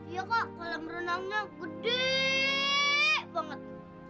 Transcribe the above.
iya kak kalam renangnya gedeee banget